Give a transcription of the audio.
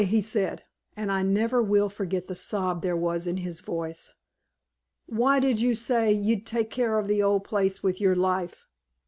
he said, and I never will forget the sob there was in his voice. 'Why did you say ye'd take care of the old place with your life?